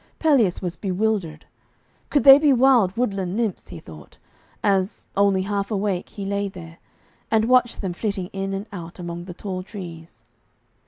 Pelleas was bewildered. Could they be wild woodland nymphs, he thought, as, only half awake, he lay there, and watched them flitting in and out among the tall trees.